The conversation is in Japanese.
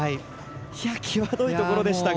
きわどいところでしたが。